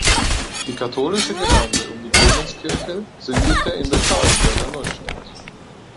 Die katholische Gemeinde um die Clemenskirche siedelte in der Calenberger Neustadt.